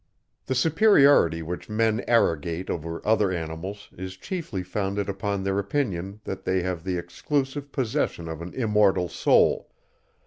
The superiority which men arrogate over other animals, is chiefly founded upon their opinion, that they have the exclusive possession of an immortal soul.